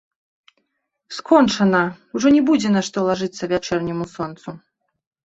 Скончана, ужо не будзе на што лажыцца вячэрняму сонцу.